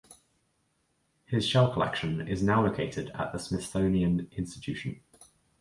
His shell collection is now located at the Smithsonian Institution.